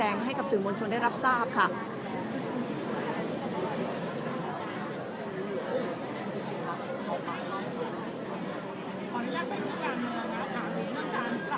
และที่อยู่ด้านหลังคุณยิ่งรักนะคะก็คือนางสาวคัตยาสวัสดีผลนะคะ